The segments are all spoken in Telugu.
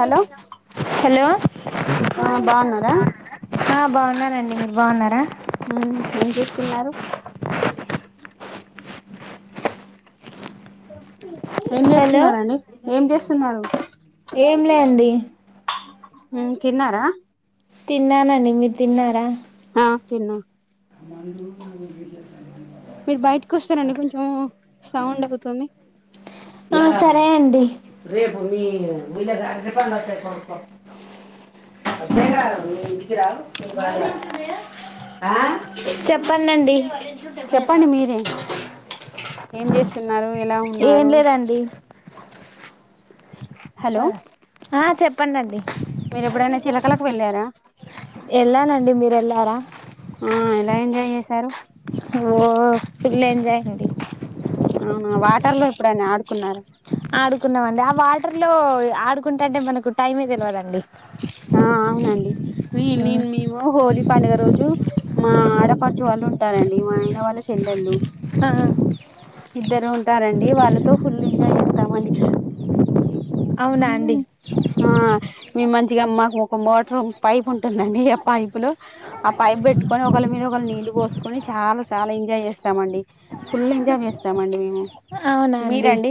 హలో హలో ఆ బాగున్నారా బాగున్నారా బాగున్నానండి మీరు బాగున్నారా తున్నారు నొప్పి హలో ఏం లే అండి హ తిన్నారా తిన్నానండి మీరు తిన్నారా హ తిన్నా మనకు మన పిల్లలు మీరు బయటకి వస్తారండి కొంచెం సౌండ్ అవుతుంది ఆ సరే అండి చెప్పనండి చెప్పండి మీరే ఏం చేస్తున్నారు ఎలా ఉన్నారు అండి హలో ఆ చెప్పండండి. మీరు ఎప్పుడైనా చిలకలకు వెళ్ళారా వెళ్ళానండి. మీరు వెళ్ళారా సారు ఓ పూల్ ఎంజాయండి. అవునా వాటర్ లో ఎప్పుడైనా ఆడుకున్నారా ఆడుకున్నామండి. ఆ వాటర్ లో ఆడుకుంటాంటే మనకు టైమే తెలియదండి. ఆ అవునండి. మీ మీమ్ మీ హోలీ పండుగ రోజు మా ఆడపరచు వాళ్ళు ఉంటారండి. మా ఆయన వాళ్ళ చెల్లెళ్ళు ఆ ఇద్దరు ఉంటారండి. వాళ్ళతో ఫుల్ ఎంజాయ్ చేస్తామండి. అవునా అండి హా మేమ్ మంచిగా మాకు ఒక బా ఓ పైపు ఉంట్ ఉంటుందండి. ఆ పైప్ లో ఆ పైప్ పెట్టుకొని ఒకళ మీద ఒకళ నీళ్లు పోసుకొని చాలా చాలా ఎస్ చమండి ఫుల్ ఎంజాయ్ చేస్ రండి మేము అవునా అండి మీరండి.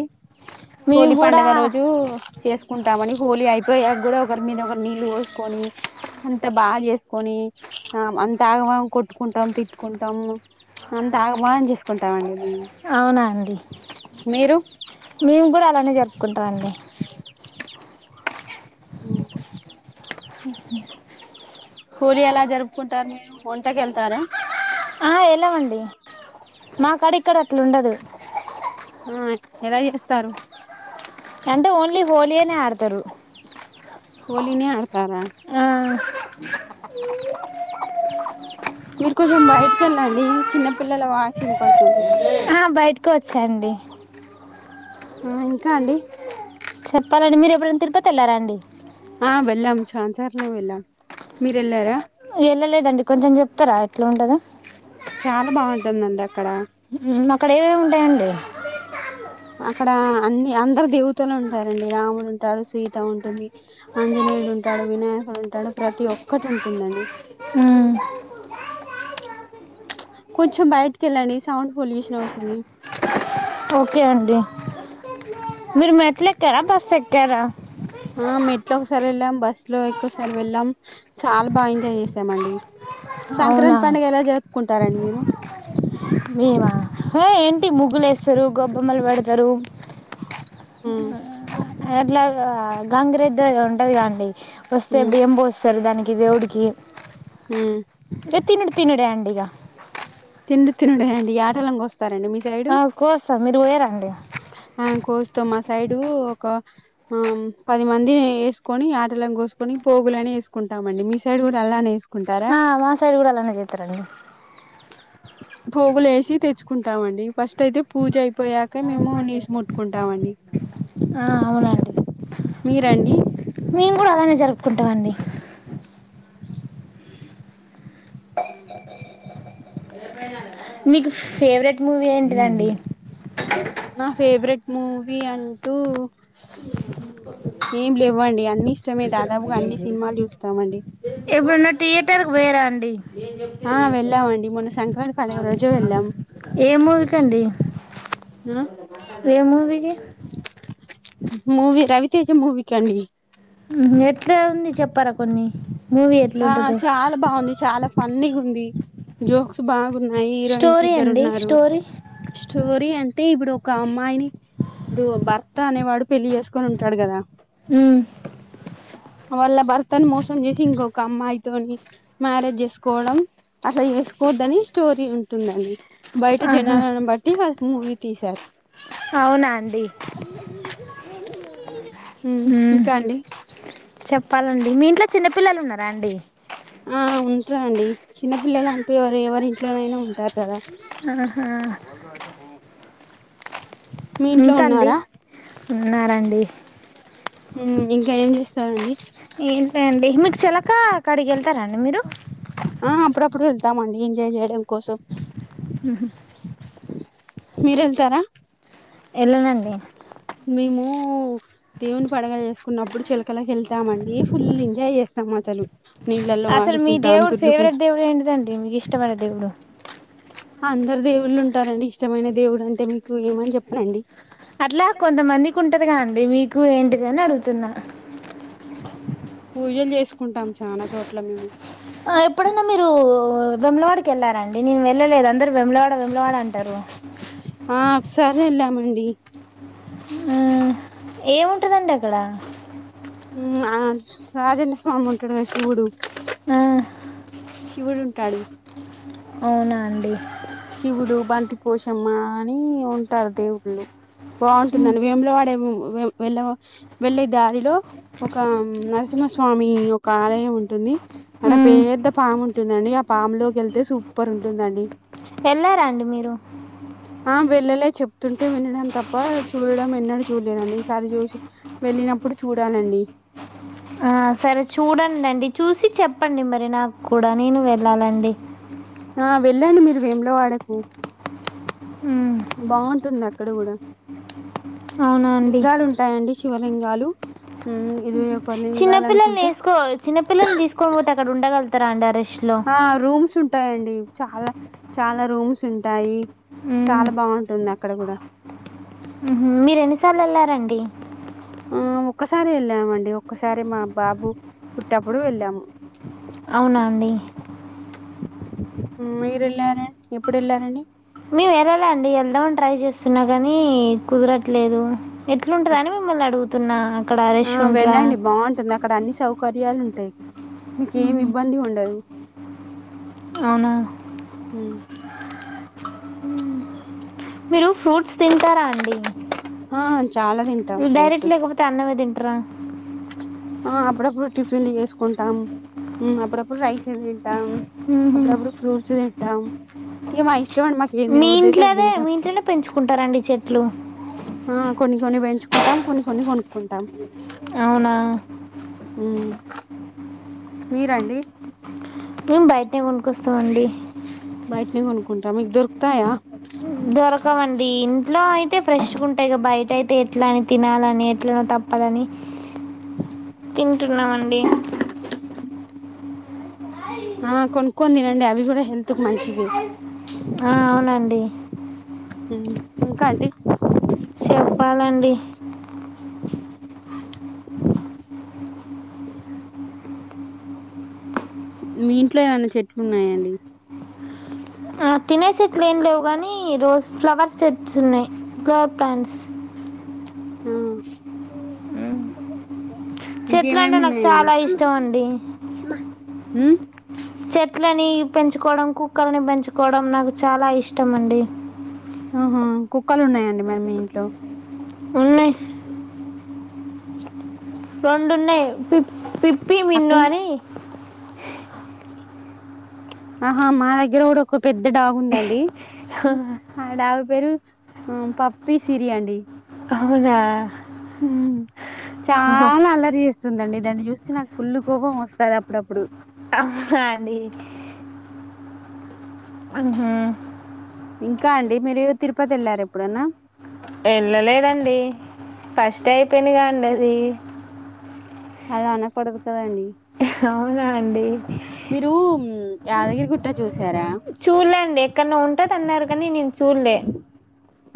మేము హోలీ కూడా పండుగ రోజు చేసుకుంటామని హోలీ అయిపోయాక కూడా ఒకరు మీద ఒకరు నీళ్ళు కోని అంత బాగా చేసుకొని అంత ఆగమాగం కొట్టుకుంటాం. తిట్టుకుంటాం. అంత ఆగబాం చేసుకుంటాం అండి మేమ్ అవునా అండి. మేము కూడా అలానే జరుకుంటాం అండి. హు హోలీ ఎలా జరు పోతారు. మీరు ఒంటకిెళ్తారా ఆ వెళ్ళామండి మా కాడ ఇక్కడ అట్లా ఉండదు తారు అంటే ఓన్లీ హోలీ అనే ఆడతారు. హోలీనే ఆడతారా మీరు కొంచెం బయటికి వెళ్ళండి. చిన్నపిల్లల వాయిస్ వినపడుతుంది. ఇప్పుడే వచ్చా అండి. ఆ ఇంకా అండి. చెప్పాలండి మీరు ఎప్పుడైనా తిరుపతి వెళ్ళారాండి ఆ వెెల్ం చానా సర్లే వెలాం మీరెలార వెళ్ళలేదండి. కొంచెం చెప్తారా ఎట్లా ఉంటదో చాలా బాగుంటుందండి. అక్కడ అక్కడ ఏవేవి ఉంటాయండి. అక్కడ అన్ని అందరు దేవతలు ఉంటారండి. రాముడు ఉంటారు. సీత ఉంటుంది. అంజనేయుడు ఉంటాడు. వినాయ్ అంటాడు. ప్రతి ఒక్కటి ఉంటుందండి. హ్మ్ కొంచెం బయటకి వెళ్ళండి సౌండ్ పొల్యూషన్ అవుతుంది ఓకే అండి మీరు మెట్లు ఎక్కారా బస్సు ఎక్కారా హా మెట్లో ఒకసారి వెల్లామ్ బస్ లో ఎక్కువసారి వెళ్ళాం చాలా బాగా ఎంజాయ్ చేసాం అండి అవునా మీరు మేవా హే ఏంటి ముగ్గులు వేస్తారు గొబ్బెమ్మలు పెడతరు హ్మ్ హా అట్లా గంగిరెద్దు ఏదో ఉంటది కదండి వస్తే హ్మ్ బియ్యం బోస్సరు దాని ఇ దేవుడికి హ్మ్ ఇక తినుడు తినుడే అండి ఇగ ఇంతినుడే అండి యాటలం కోస్ స్సారు అండి మీ సైడ్ కోస్తాం మీరు పోయారండి సైడ్ ఒక అమ్ పది మంది వేసుకొని ఆటలను కోసుకొని పోగులని వేసుకుంటామండి, మీ సైడ్ గూడా అల్లానే వేసు ఆ మా సైడ్ కూడా అలానే చేతరండి పోగులు వేసి తెచ్చుకుంటామండి ఫస్ట్ అయితే పూజ అయి పోయాక మేము నీసు ముట్టుకుంటామండి అవునండి మీరండి మేము కూడా అలానే జరుపుకుంటామండి మీకు ఫేవరెట్ మూవీ ఏంటిదండి నా ఫేవరెట్ మూవీ అంటూ ఏం లేవండి అన్ని ఇష్టమే దాదాపుగా అన్ని సినిమాలు చూస్తామండి. టర్ వోయారా అండి ఆ వెళ్ళామండి మొన్న సంక్రాంతి పండుగ రోజే వెళ్ళాం ఏ మూవీకండి ఆ ఏ మూవీకి మూవీ రవితేజ మూవీకి అండి పర కొన్ని మూవీ ఆ ఎట్లుంటుందో చాలా బాగుంది చాలా ఫన్నీగుంది జోక్స్ బాగు న్నాయి హీరోయిన్స్ స్టోరీ ఇద్దరు అండి ఉన్నారు స్టోరీ స్టోరీ అంటే ఇప్పుడు ఒక అమ్మాయిని ఇప్పుడు భర్త అనేవాడు పెళ్లి చేసుకొని ఉంటాడు కదా హ్మ్ వాళ్ళ బర్తను మోసం జేసి ఇంగో ఒక అమ్మాయితోని మ్యారేజ్ చేసుకోవడం అసలు చేసుకోవద్దని స్టోరీ ఉంటుందడి. బయట ఆహా జనాలను బట్టి వాళ్ మూవీ తీసార్ అవునా అండి మ్మ్ ఇంకా అండి చెప్పాలండి మీ ఇంట్లో చిన్నపిల్లలు ఉన్నారా అండి ఆ ఉంటరండి చిన్నపిల్లలు అంటే ఎవరు ఎవరి ఇంట్లోనైనా ఉంటారు కదా ఆహా మీ ఇంట్లో ఇంకా అండి ఉన్నారా ఉన్నారండి హ్మ్ ఇంకా ఏం చేస్తారండి ఏంటండి మీకు చెలక అక్కడికి వెళ్తారా అండి మీరు ఆ అప్పుడప్పుడు వెళ్తామండి ఎంజాయ్ చేయడం కోసం ఊహూ మీరెళ్తారా ఎళ్ళనండి మేము దేవుని పండగలు చేసుకున్నప్పుడు చెలకలకి వెళ్తామండి ఫుల్ ఎంజాయ్ చేస్తాం అసలు నీళ్ళల్లో అసలు మీ ఆడుకుంటాం దేవుడు ఫేవరెట్ తుర్లుకుంటాం దేవుడు ఏంటిదండి మీకు ఇష్టమైన దేవుడు అందరు దేవుళ్ళు ఉంటారండి ఇష్టమైన దేవుడు అంటే మీకు ఏమని చెప్పనండి అట్లా కొంతమందికి ఉంటదిగా అండి మీకు ఏంటిది అని అడుగుతున్నా పూజలు చేసుకుంటాం చానా చోట్ల మేము ఆ ఎప్పుడైనా మీరు వేములవాడకి వెళ్ళారా అండి నేను వెళ్ళలేదు అందరూ వేములవాడ వేములవాడ అంటారు ఆ ఒకసారి వెళ్ళామండి ఏముంటదండి అక్కడ ఆ రాజన్న స్వామి ఉంటాడు కదా శివుడు ఆ శివుడు ఉంటాడు అవునా అండి శివుడు బంతి పోషమ్మ అని ఉంటారు దేవుళ్ళు బావుంటుందండి వేములవాడ హ్మ్ వెళ్ళ వెళ్ళే దారిలో ఒక నరసింహస్వామి ఒక ఆలయం ఉంటుంది అక్కడ ఉమ్, పేద్ద పాము ఉంటుందండి ఆ పాము లోకి వెళ్తే సూపర్ ఉంటు ఉంటుందండి వెళ్ళారా అండి మీరు ఆ వెళ్ళలే చెప్తుంటే వినడం తప్ప చూడడం ఎన్నడు చూడలేదండి ఈసారి చూసి వెళ్ళినప్పుడు చూడాలండి ఆ సరే చూడండి అండి చూసి చెప్పండి మరి నాకు కూడా నేను వెళ్ళాలండి ఆ వెళ్ళండి మీరు వేముల వాడకు ఉమ్, బావుంటుంది అక్కడ కూడా అవునా అండి లింగాలు ఉంటాయండి శివలింగాలు ఇది చిన్న పిల్లల్ని వేసుకో చిన్న పిల్లల్ని తీసుకోని పోతే అక్కడ ఉండగల [unintelligible] ఆ రూమ్స్ ఉంటాయం చాలా చాలా రూమ్స్ ఉంటాయి ఉమ్, చాలా బావుంటుంది అక్కడ కూడా మీరు ఎన్నిసార్లు వేళ్ళారండి ఆ ఒక్కసారి వెళ్ళామండి ఒక్కసారి మా బాబు పుట్టప్పుడు వెళ్ళాము అవునా అండి మీరు వెళ్ళారం ఎప్పుడు వెళ్ళారండి మేము వెళ్ళాల అండి వెళ్దామని ట్రై చేస్తున్నా కానీ కుదరట్లేదు ఎట్లుంటాదని మిమ్మల్ని అడుగుా తున్నా ఆ వెళ్ళండి బాగుంటుంది అక్కడ అన్ని సౌకర్యాలు సౌకర్యాలు ఉంటాయి ఇ మీక ఏమి ఇబ్బంది ఉండదు అవునా ఉమ్. మీరు ఫ్రూట్స్ తింటారా అండి ఆ చాలా తింటాం ఫ్రూట్స్ డైరెక్ట్ లేకపోతే అన్నమే తింటా ట్రా ఆ అప్పుడప్పుడు టిఫిన్ వేసుకుంటాం అప్పుడప్పుడు రైస్ టం మ్మ్హ. అప్పుడు అప్పుడు ఫ్రూట్స్ది తిన్ టం ఇగ మా ఇస్ మీ ఇంట్లో అదే మీ ఇంట్లోనే పెంచుకుంటారండి చెట్లు ఆ కొన్ని కొన్ని పెంచుకుంటాం కొన్ని కొన్ని కొనుక్కుంటాం అవునా ఉ మీరండి మే బయట కొస్తమండి కొంటా మీకు దొరుకుతాయా ఎట్లా అయితే ఫ్రెష్గా ఉంటాయి కద బయట అయితే ఎట్ల అని తినాలని ఎట్ల తప్పాలని తింటున్నామండి ఆ కొనుక్కొని తినండి అవి కూడా హెల్త్ కి మంచివి ఆ అవునండి మ్మ్ ఇంకా అండి చెప్పాలండి [unintelligible] మీ ఇంట్లో ఏమైన్నా చెట్లు ఉన్నాయాండి తినే చెట్లుఏం లేవు కానీ రోజు ఫ్లవర్ సెట్స్ ఉన్నాయి ఫ్లవర్ ప్లాంట్స్ ఉ చెట్లు అంటే నాకు చాలా ఇష్టం అండి మ్మ్ చెట్లనీ పెంచుకోవడం కుక్కలని పెంచుకోవడం నాకు చాలా ఇష్టమండి ఆహా కుక్కలు ఉన్నాయండి మరి మీ ఇంట్లో ఉన్నయి రెండున్నాయి పిప్ పిప్పీ మిన్ను అక్కయ్ అని ఆహా మా దగ్గర కూడా ఒక పెద్ద డాగుదండి ఆ డాగ్ పేరు పప్పి సిరి అండి ఔనా ఉ చాలా అల్లరి చేస్తుందండి దాన్ని చూస్తే నాకు ఫుల్లు కోపం వస్తది అప్పుడప్పుడు హ అండి హు ఇంకా అండి మీరు తిరుపతి వెళ్లారు ఎప్పుడు వెళ్ళలేదండి కష్ట టైపయిందిగా అన్నది అలా అనకూడదు కదా అండి చ మీరు యాదగిరి గుట్ట చూసారా తన్నార్ కాని నేన్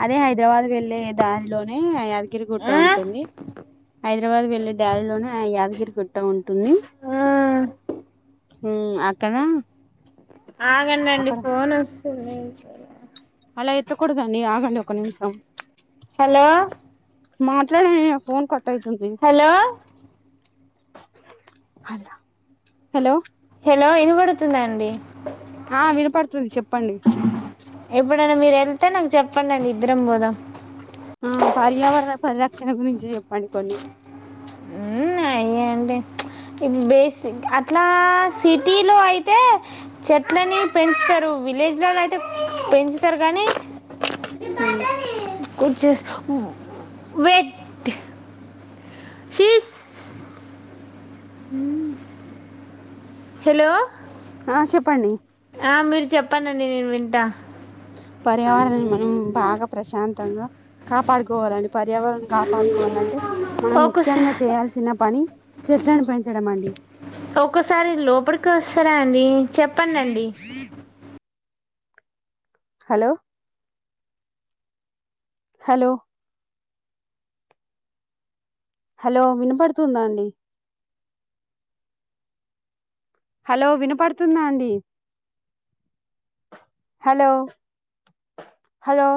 అదే హైదరాబాద్ వెళ్లే దారిలోనే యా గిరిగుట్ట ఆ? ఉంటుంది హైద్ర హైదరాబాద్ వెళ్లే దారిలోఆ యాదగిరి గుట్ట ఉంటుంది ఆ హ్మ్ అక్కడ ఆగండి అండి అక్కడ ఫోన్ వస్తుంది అలా ఎత్తకూడదండి ఆగండి ఒక నిమిషం హలో మాట్లాడన్ నేన్ ఫోన్ కాల్ ట్టైతుంది హలో అద హలో వినబడుతుందా అండి ఆ వినపడుతుంది చెప్పండి ఎప్పుడైనా మీరు వెళ్ తే నాకు చెప్పండి ఇద్దరం పోదాం ఆ పర్యావరణ పరిరక్షణ గురించి చెప్పండి కొన్ని మ్మ్. అయ్యండి బేసిక్ అట్లా సిటీలో అయితే చెట్లని పెంచుతారు విలేజ్లలో అయితే పెంచుతారు కానీ మ్మ్ కు చే వెేట్ శీష్ మ్మ్ హలో ఆ చెప్పండి ఆ మీరు చెప్పండండి నేను వింటా పర్యావరణం మన బాగా ప్రశాంతంగా కాపాడుకోవాలండి పర్యావరణ కాపాడుకోవాలంటే మనం ముఖ్యంగా ఒక్కసారి చేయాల్సిన పని చెట్లని పెంచడం అండి ఒక్కసారి లోపలికి వస్తారా అండి చెప్పండి అండి హలో హలో హలో వినపడుతుందా అండి హలో వినపడుతుందా అండి హలో హలో